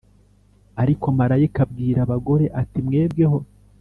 Ariko marayika abwira abagore ati Mwebweho